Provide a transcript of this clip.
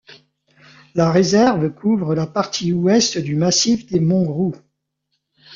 La réserve couvre la partie ouest du massif des monts Groulx.